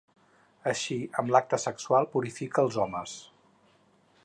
Així, amb l'acte sexual purifica als homes.